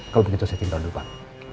kalau begitu saya tinggal dulu pak